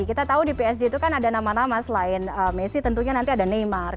kita tahu di psg itu kan ada nama nama selain messi tentunya nanti ada neymar